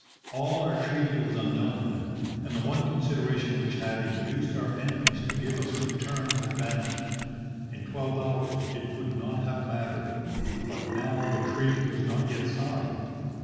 All our treaty was undone then, and the one consideration which had induced our enemies to give us good terms had vanished. In twelve hours it would not have mattered. But now the treaty was not yet signed.